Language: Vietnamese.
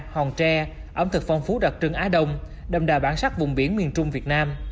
hòn tre ẩm thực phong phú đặc trưng á đông đầm đà bản sắc vùng biển miền trung việt nam